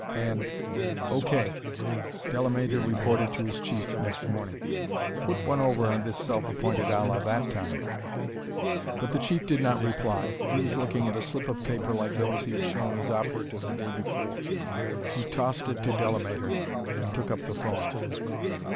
And: "O. K." Delamater reported to his chief the next morning. "Put one over on this self appointed Allah that time." But the Chief did not reply: he was looking at a slip of paper like those he had shown his operative the day before. He tossed it to Delamater and took up the phone.